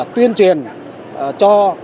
tuyên truyền cho